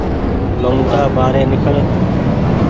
ممتآ ٻآري نيکڙ